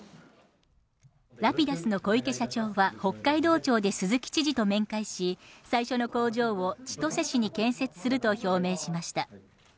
ラピダスの小池社長は、北海道庁で鈴木知事と面会し、最初の工場を千歳市に建設すると表明しました。